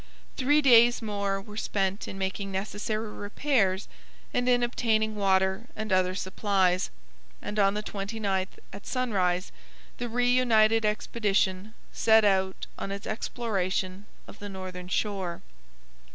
Three days more were spent in making necessary repairs and in obtaining water and other supplies, and on the 29th at sunrise the reunited expedition set out on its exploration of the northern shore.